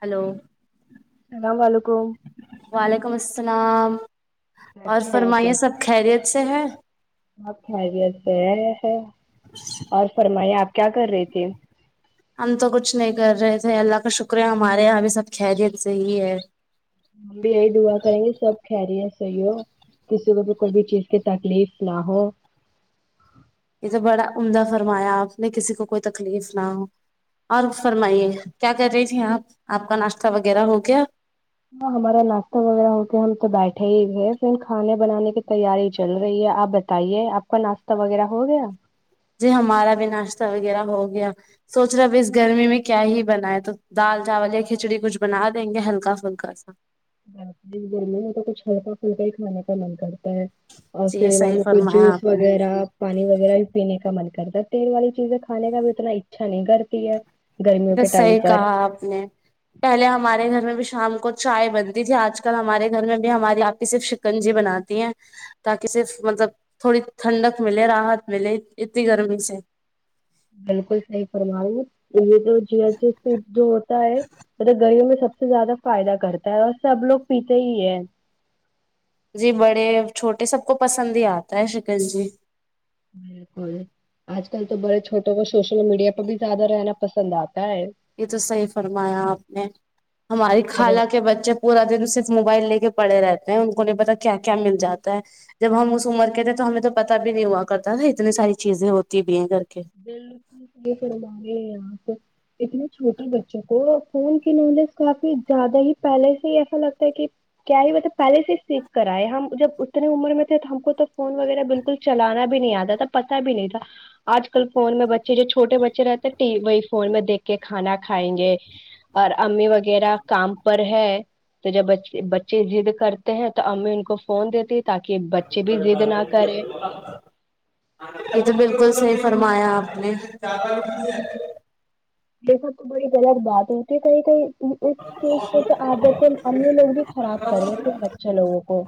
hello اللام و ععلیکم سلام ے ہیں سے ہے آپریت سے اور فرمائی آپ کیا کر رہے تھے ہم تو کچھ نہیں کر رہے تھے اللہ کا شکر ہے ہمارے یہاں بھی سب خیریت سےحی ہے ہم بھی یہی دعا کریں گے سب کہ رہی ہے صحیح ہو کسی کو بھی کوئی بھی چیز کی تکلیف نہ ہو یہ تو بڑا عمدہ فرمایا آپ نے کسی کو کوئی تکلیف نہ ہو اور فرمائیے کیا کر رہی تھھی آپ آپ کا ناشتہ وغیرہ ہو گیا ہاں ہمارا ناشتہ وغیرہ ہوتے ہم تو بیٹھے ہی گ اس دن کھانے بنانے کی تیاری چل رہی ہے آپ بتائیے آپ کا ناشہ وغیرہ ہو گیا جی ہمارا بھی ناشتہ وغیرہ ہو گیا سوچ رہے ب اس گرمی میں کیا ہی بنا ہے تو دال چاول یا کھچڑی کچھ بنا دیں گے ہلکا پلکا سا باپ جی بول رہ میں تو کچھ ہلکا پھلکا ہی کھانے کا من کرتا اور جی پھر صحیح والوں کو فرمایا جوس آپ نے وغیرہ پانی وغیرہ بھی پینے کا من کرتا ہے تیل والی چیزیں کھے کا بھی اتنا اچھا نہیں کرتی ہے ا گرمیوں تو کے ٹائم صحی پر کہا آپ نے پہلے ہمارے گھر میں بھی شام کو چائے بنتی تھی آج کل ہمارے گھر میں بھی ہماری آپ ہی صرف شکنجی بناتی ہیں تاکہ صرف مطلب تھوڑی ٹھنڈک ملے راحت ملے اتنی گرمی سے بالکل صحی فرمؤ دو جیا جیسے دو ہے مط گئیوں میں سب سے زیادہ فائدہ کرتا ہے اور سب لوگ پیتے ہی ہیں جی بڑے چھوٹے سب کو پسند ہی آتا ہے شیکل جی بالکل آج کل تو بڑے چھوٹوں کو سوشل میڈیا پہ بھی زیادہ رہنا پسند آپ یہ تو صحیح فرمایا آپ نے ہماری اور خالہ کے بچے پورا دن اس سے موبائل لے کے پڑے رہتے ہیں ان کو نہیں پتا کیا کیا مل جاتا ہے جب ہم اس عمر کے تھے تو ہمیں تو پتا بھی نہیں ہوا کرتا تھا اتنی ساری چیزیں ہوتی بھی ہیں گھر کے بل ص فوا رہے آ اتنے چھوٹے بچوں کو فون کی نالج کافی زیادہ ہی پہلے سے ہی ایسا لگتا ہے کہ کیا ہی مطلب پہلے سے سیکھ کر آئے ہم جب اتنے عمر میں تھے تو ہم کو تو فون وغیرہ بالکل چلانا بھی نہیں آتا تھا پتا بھی نہیں تھا آج کل فون میں بچے جو چھوٹے بچے رہتے وہی فون میں دیکھ کے کھانا کھائیں گے اور امی وغیرہ کام پر ہے تو جب بچے د کرتے ہیں تو امی ان کو فون دیتی تاکہ بچے بھی ضد نہ کرے یہ تو بالکل صحی فرمایا آپ نے یہ سب تو بڑی گ بات ہوتی ہے کہیں کئی اس چیز پہ تو عادت امی لوگ بھی خراب کر دیتے ہیں بچے لوگوں کو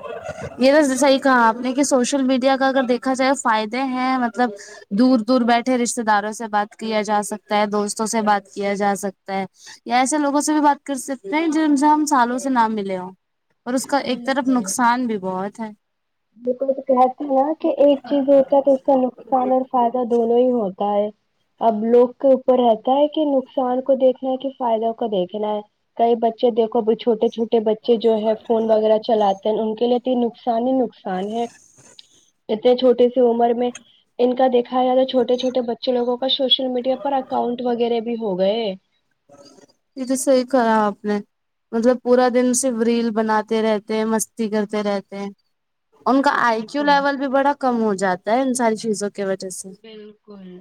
یہ تو صحیح کہا آپ نے کہ سوشل میڈیا کا اگر دیکھا جائے فائدے ہیں مطلب دور دور بیٹھے رشتے داروں سے بات کیا جا سکتا ہے دوستوں سے بات کیا جا سکتا ہے یا ایسے لوگوں سے بھی بات سکتے ج سے ہم سالوں سے نہ ملے ہو اور اس کا ایک طرف نقصان بھی بہت ہے بک تو کہتے ہیں نا کہ ایک چیز ہوتا ہے تو اس کا نقصان اور فائدہ دونوں ہوتا ہے اب لوگ کے اوپر رہتا ہے کہ نقصان کو دیکھنا ہے کہ فائدوں کو دیکھنا ہے کئی بچے دیکھو ا چھوٹے چھوٹے بچے جو ہے فون وغیرہ چلاتے ہیں ان کے لیے نقصان ہی ن ان ہے اتنے چھوٹے سی عمر میں ان کا دیکھا جائے تو چھوٹے چھوٹے بچے لوگوں کا سوشل میڈیا پر اکاؤنٹ وغیرہ بھی ہو گئے یہ تو صحی کہا آپ نے مطلب پورا دن صرف ریل بناتے رہتے ہیں مستی کرتے رہتے ہیں ان کا آئی کیو بالکل لیول بھی بڑا کم ہو جاتا ان ساری چیزوں [unintelligible] سے بالکل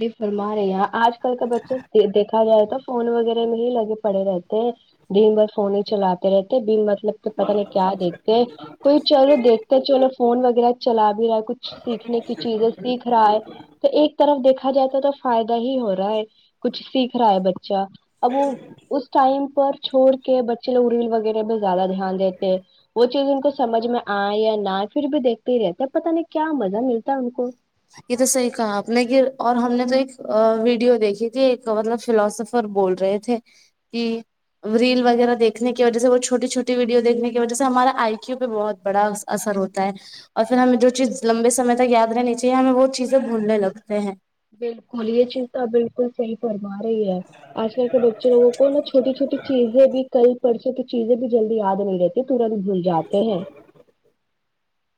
جی فرما رہے یہاں آج کل کا بچہ دیکھا جائے تو فون وغیرہ میں ہی لگے پڑے رہتے ہیں دن بھر فون ہی چلاتے رہتے دن بھر مطلب کہ پتا نہیں کیا دھتے ہیں کوئی چلو دیکھتے چلو فون و چلا [unintelligible] میرا کچھ سیکھنے کی چیزیں سیکھ رہا ہے تو ایک طرف دیکھا جائے تو تو فائدہ ہی ہو رہا ہے کچھ سیکھ رہا ہے بچ اچھا اب وہ اس ٹائم پر چھوڑ کے بچے لوگ ایل وغیرہ پہ زیادہ دھیان دیتے ہیں وہ چیز ان کو سمجھ میں آئے یا نہ پھر بھی دیکھتے ہی رہتے ہیں پت نہیں کیا مزہ ملتا ہے ان کو یہ تو صحیح کہا آپ نے کہ اور ہم نے تو ایک ویڈیو دیکھی تھی ایک مطلب فلاوسفر بول رہے تھے کہ ریل وغیرہ دیکھنے کی وجہ سے وہ چھوٹی چھوٹی ویڈیو دیکھنے کی وجہ سے ہمارا آئی کییو پہ بہت بڑا اثر ہوتا ہے اور پھر ہمیں جو چیز لمبےمے تک یاد رہنی ہمیں بہت چیزیں بھولنے لگتے ہیں بالکل یہ چیز تو بالکل صحی گرما رہی ہے آج کل کے بچوں لوگوں کو نا چھوٹی چھوٹی چیزیں بھی کل پرسوں کی چیزیں بھی جلدی یاد نہیں رہتی تورت بھول جاتے ہیں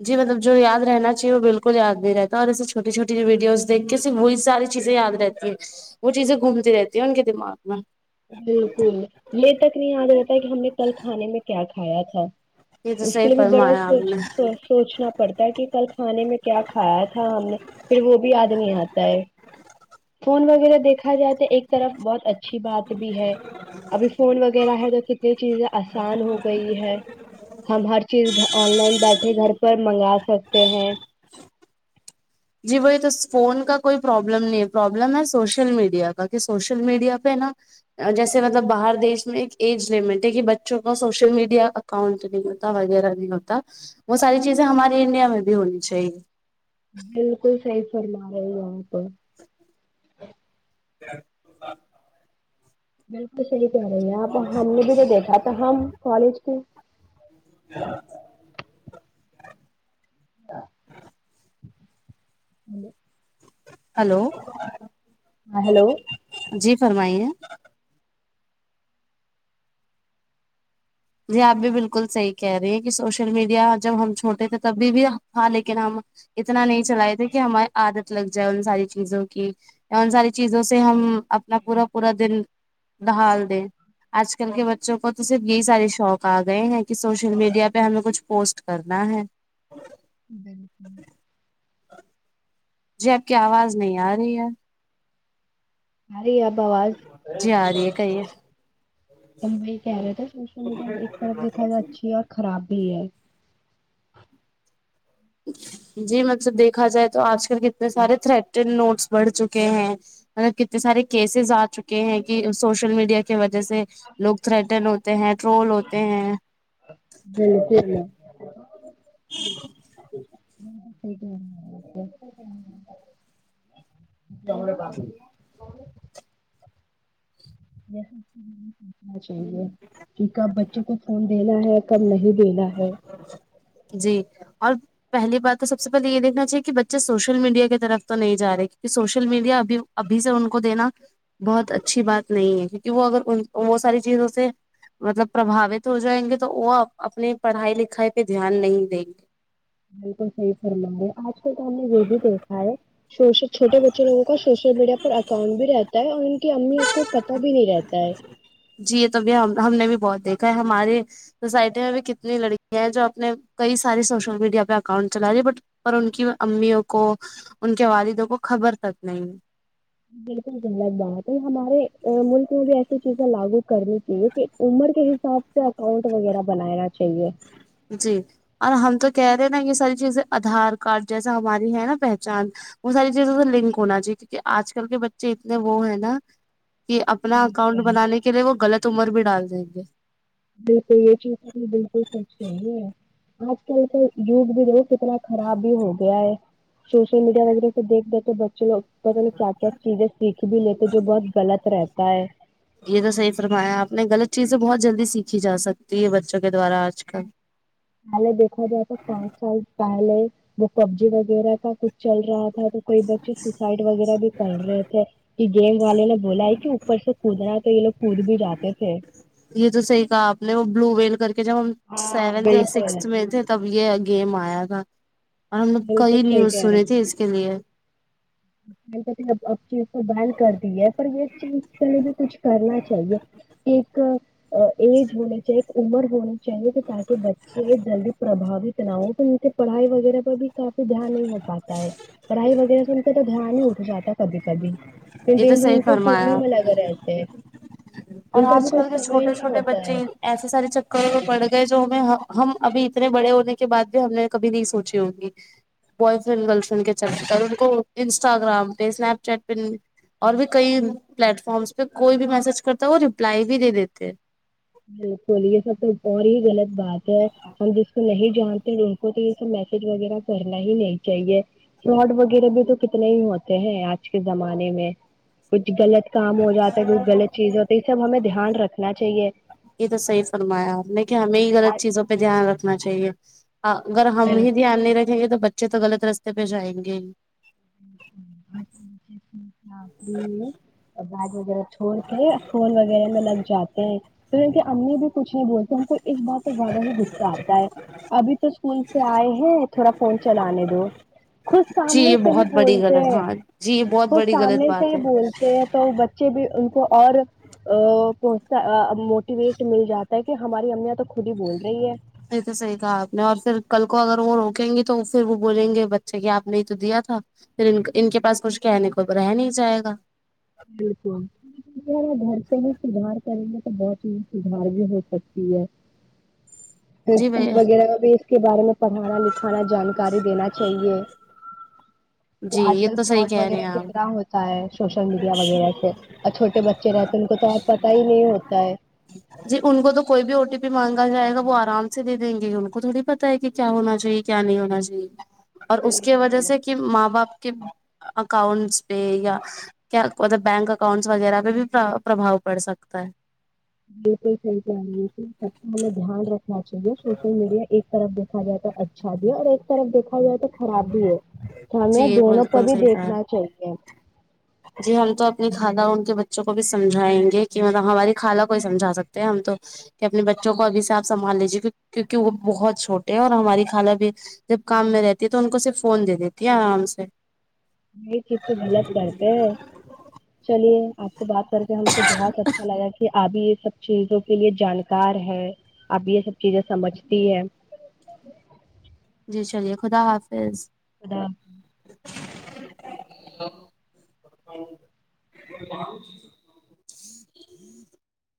جی مطلب جو یاد رہنا چاہیے وہ بالکل یاد نہیں رہتا ہے اور ایے چھوٹی چھوٹی ویڈیوز دیکھ کے صرف وہی ساری چیزیں یاد رہتی ہیں وہ چیزیں گھومتی رہتی ہیں ان کے دماغ میں بالکل م تک نہیں یاد رہتا کہ ہم نے کل کھانے میں کیا کھ [unintelligible] کھایا تھا یہ تو [unintelligible] اس کے صحیح لیے بھی بڑا فرمایا آپ سوچ نے سوچنا پڑتا ہے کہ کل کھانے میں کیا کھایا تھا ہم نے پھر وہ بھی آدمی آتا ہے فون وہ [unintelligible] دیکا جائے تو ایک طرف بہت اچھا [unintelligible] اچھیی بات [unintelligible] [unintelligible] ہے ابھی فون وغیرہ [unintelligible] [unintelligible] ہے جا [unintelligible] [unintelligible] یہ چیزیں آسان ہو گئی ہے ہم ہر چیز آن لائن بیٹھے گھر پر منگا [unintelligible] سکتے ہیں [unintelligible] [unintelligible] جی وہی تو فون کا کوئی پرابلم نہیں ہے پرابلم ہے سوشل میڈیا کا کہ سوشل میڈیا پہ نا جیسے مطلب باہر دیش میں ایک ایج لمٹ ہے کہ بچوں کا سوشل میڈیا اکاؤنٹ نہیں ہوتا وغیرہ نہیں ہوتا وہ ساری چیزیں ہمارے انڈیا میں بھی ہونی چاہیے بالکل صحی فرما رہےی ہیں آپ [unintelligible] ج [unintelligible] بالکل صحیح [unintelligible] کہہ رہی ہے اب ہم نے بھی جو دیکھا تھا ہم کالج کے ہاں [unintelligible] ہ [unintelligible] ہلو [unintelligible] ہلو ہیلو جی فرمائیے [unintelligible] ہ [unintelligible] جی آپ بھی بالکل صحیح کہہ رہی ہیں کہ سوشل میڈیا جب ہم چھوٹے تھے تبھی بھی ہاں لیکن ہم اتنا نہیں چلائے تھے کہ ہمارے آدت [unintelligible] لگ جائے ان ساری چیزوں کی یا ان ساری چیزوں سے ہم اپنا پورا پورا دن ڈہال دیں آج کل کے بچوں کو تو صرف یہی ساری [unintelligible] شوق آ گئے ہیں کہ سوشل میڈیا پہ ہمیں کچھ پوسٹ کرنا ہے [unintelligible] ب بال جی آپ کی آواز نہیں آ رہی یار [unintelligible] ارے اب آواز جی آ رہی ہے کہیے وہی کہہ رہے تھے سوشل میڈیا ایک طرف دیکھا جائے اچھی ہے اور خراب [unintelligible] یہ ہے [unintelligible] جی مب [unintelligible] ب دیکھا جائے تو آج کل کتنے سارے تھریٹڈ نوٹس بڑھ چکے ہیںط ک [unintelligible] سارے کیسز آ چکے ہیں کہ سوشل میڈیا [unintelligible] ج [unintelligible] جیسے لوگ تھریٹن ہوتے ہیں ٹرول ہوتے ہیں [unintelligible] یکے ب [unintelligible] ا سوچنا چاہیے کہ کب بچوں کو فون دینا ہے کب نہیں للا ہے جی اور پہلی بات تو سب سے پہلے یہ دیکھنا چاہیے کہ بچے سوشل میڈیا کی طرف تو نہیں جا رہے کیونکہ سوشل میڈیا ابھی ابھی سے ان کو دینا بہت اچھی بات نہیں ہے کیوںکہ وہ اگر وہ ساری چیزوں سے مطلب پرباوت ہو جائیں گے تو وہ اپنے پڑھائی لکھائی پہ دھیان نہیں دیں گے بالکل صحیح کر لوں گے آج کل تو ہم نے یہ بھی دیکھا ہے شوشت چھٹے بچےووں کا سوشل میڈی پر اکانٹ بھی رہتا ا کہ امی کو پتا بھی نہیں رہتا ہے ہماری سوسائٹی میں بھی کتنی لڑکیا ہیں جو اپنے کئی ساری سوشل میڈیا پہ اکاؤنٹ چلا رہی بٹ پر ان کی امیوں کو ان کے والدوں کو خبر تک نہیں بالکل غلط بات ہے ہمارے ملک میں بھی ایسی چیزیں لاگو کرنی چاہیے کہ عمر کے حساب سے اکاؤنٹ وغیرہ بنانا چاہیے جی اور ہم تو کہہ رہے ہیں نا یہ ساری چیزیں آدھار کارڈ جیسا ہماری ہے نا پہچان وہ ساری چیزوں سے لنک ہونا چاہی کیونکہ آج کل کے بچے اتنے وہ ہے نا کہ اپنا اکاؤنٹ بنانے کے لیے وہ لط عمر بھی ڈال دیں گے بالکل یہ چیز تو بالکل سچ نہیں ہے آج کل کا یوگ بھی د کتنا خراب بھی ہو گیا ہے سوشل میڈیا وغیرہ سے دیکھ دیتے بچے لوگ پت نہیں کیا کیا چیزیں سیکھ بھی لیتے جو بہت غلط رہتا ہے یہ تو صحیح فرمایا آپ نے غلط چیزیں بہت جلدی سیکھی جا سکتی ہے بچوں کے دوارا آج کل پے دیکا جائے تو پانچ سال پہے وہ پبجی وغیرہ کا کچھ چل رہا تھا تو کوئی بچے سسائڈ وغیرہ بھی کر رہے تھے کہ گیم والے نے بولا ہے کی پرس سے کودنا ہے تو یہ لوگ کود بھی جاتے تھے یہ تو صحیح کہا آپ نے وہ بلو ویل کر کہ جب ہم ہاں سیونتھ یا بالکل سکسھ میں تھے تب یہ گیم آیا تھا اور نے نے بالکل کئی صحیح نیوز سنی تھی اس کے لیے تے اب اب چیز کو بیل کر دی ہے اور یہ چیز کے لیے بھی کچھ کرنا چاہیے ایک ایج ہونے چاہ ایک عمر ب چاہیے تھے تاکہ بچے یہ دلد پرباوت اتنا ہو تو ان سے پڑھائی وغیرہ کاہ بھی کافی دھیان نہیں ہو پاتا ہے پڑھائی وغیرہ سے تو دھیان ہی اٹھ جاتا کبھی کبھی یہ تو دین صحیح بان کو فون فرمایا ہی آپ ملا کر رہا تھ اور آج کل کے چھوٹے نہیں چھوٹے ہوتا بچے ہے ایسے سارے چکروں کے پڑ گئے جو ہمیں ہم ابھی اتنے بڑے ہونے کے بعد بھی ہم نے کبھی نہیں سوچی ہوگی بوائے فرینڈ گرل فرینڈ کے چلتے ان کو انسٹاگرام پہ اسنپ چیٹ پہ اور بھی کئی پلیٹ فارمس پہ کوئی بھی میسج کر تو وہ ریپلائی بھی دے دیتے بالکل یہ سب تو اور ہی غلط بات ہے ہم جس کو نہیں جانتے ان کو تو یہ سب میسج وغیرہ کرنا ہی نہیں چاہیے فراڈ وغیرہ بھی تو کتنے ہی ہوتے ہیں آج کے زمانے میں کچ غلط کام ہو جاتا ہے کوئی غط چیز ہوتا ہے یہ سب ہمیں دھیان رکھنا چاہیے یہ تو صحی فرمایا آپ نے کہ ہمیں ہی لط آج- چیزوں پہ دھیان رکھنا چاہیے چیے اگر ہم بالکل ہی دھیان نہیں رکھے دے تو بچے تو لط رستے پہ جائیں گے ہی [inaudible] ب چھوڑ کے یا فون وغیرہ میں لگ جاتے ہیں پھر ان کے امی بھی کچھ نہیں بولتے ہم کو ایک بات سے زیادہ ہی غصہ آتا ہے ابھی تو اسکول سے آئے ہیں تھوڑا فون چلانے دو خود جی سامنے یہ سے ہی بہت بڑی بولتے غلط ہیں ہاں جی یہ بہت خود بڑی غلط سامنے سے بات ہی ہے بولتے ہیں تو بچے بھی ان اور پہنچتا موٹیویٹ مل جاتا ہے کہ ہماری امیاں تو خود ہی بول رہی ہے صی تو صحیح کہا آپ نے اور پھر کل کو اگر وہ روکیں گی تو پھر وہ بولیں گے بچے کی آپ نے یہ تو دیا تھا پھر ان کے پاس کچھ کہنے کو رہ نہیں جائے گا بالکل گھر سے ہی سدار کریں گے تو بہت ہییز سدھار بھی ہو سکتی ہے جی اسکول بھیا وغیرہ میں بھی اس کے بارے میں پڑھانا لکھانا جانکاری دینا چاہیے تو جی آج یہ کل صحیح فراڈ کہہ رہے ہیں وغیرہ کتنا آپ ہوتا ہے سوشل میڈیا وغیرہ سے اور چھوٹے بچے رہتے ہیں ان کو تو آ پت ہی نہیں ہوتا ہے جی ان کو تو کوئی بھی او ٹی پی مانگا جائے گا وہ آرام سے دے دیں گے ان کو تھوڑی پتتا ہے کہ کیا ہونا چاہیے کیا نہیں ہونا چاہیے اور اس کی وجہ بالکل سے کیا ماں باپ کے اکاؤنٹس پہ یا کیا مطلب بینک اکاؤنٹس وغیرہ پہ بھی پربھاؤ پڑ سکتا ہے یہکل صح یہ سب کا مطلب دھیان رکھ چاہیے سوشل میڈیا ایک طرف د دیکھا جائے تو اچھا بھی اور ایک طرف بیک دا جائے تو خراب بھی ہے تو ہمیں جی دونوں کو بالکل بھی صحیح کہا دیکھنا چاہیے جی ہم تو اپنی کھالہ ان کے بچوں کو بھی سمجھائیں گے کہ مطلب ہماری خالہ کو ہی سمجھا سکتے ہیں ہم تو کہ اپنے بچوں کو ابھی سے آپ سنبھال لیجیے کیونکہ وہ بہت چھوٹے ہیں اور ہماری خالہ بھی جب کام میں رہتی ہے تو ان کو صرف فون دے دیتی ہے آرام سے م چپ بلت کررتے پ بات کر کے ہم کو بہت اچھا لگا کہ ابھی یہ سب چیزوں کے لیے جانکار ہے اب بھی یہ سب چیزیں سمجھتی ہے جی چلیے خدا حافظ خداب [unintelligible] [inaudible] [unintelligible]